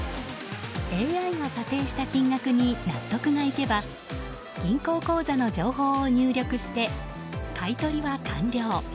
ＡＩが査定した金額に納得がいけば銀行口座の情報を入力して買い取りは完了。